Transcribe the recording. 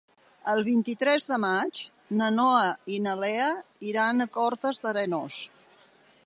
El vint-i-tres de maig na Noa i na Lea iran a Cortes d'Arenós.